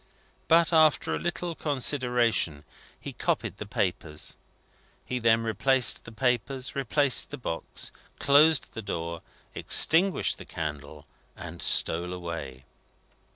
But, after a little consideration, he copied the papers. He then replaced the papers, replaced the box, closed the door, extinguished the candle, and stole away.